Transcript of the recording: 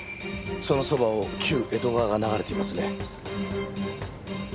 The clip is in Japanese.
そのそばを旧江戸川が流れていますね。